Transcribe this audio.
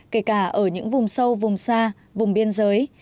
kể cả ở những vùng sâu vùng xa vùng biên giới